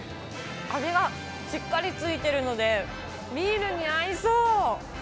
味がしっかり付いてるので、ビールに合いそう。